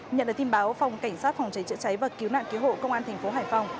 nhận được tin báo phòng cảnh sát phòng cháy chữa cháy và cứu nạn cứu hộ công an thành phố hải phòng